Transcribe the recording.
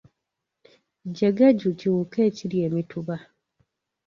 Jjegeju kiwuka ekirya emituba.